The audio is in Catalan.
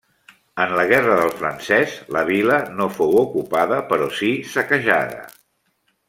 En la Guerra del Francès, la vila no fou ocupada però sí saquejada.